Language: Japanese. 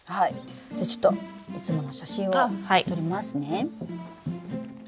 じゃちょっといつもの写真を撮りますね。